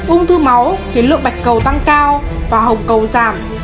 ung thư máu khiến lượng bạch cầu tăng cao và hồng cầu giảm